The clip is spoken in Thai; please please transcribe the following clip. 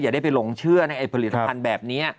ได้ไปหลงเชื่อในผลิตภัณฑ์แบบนี้